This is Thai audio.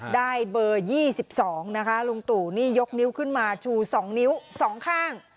ได้เบอร์๒๒นะคะลุงตู่นี่ยกนิ้วขึ้นมาชู๒นิ้ว๒ข้าง